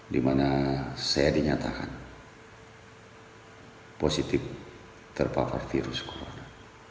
dimana saya dinyatakan positif terpapar virus corona